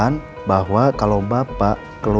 mbak pak hobi mau mezan numero dua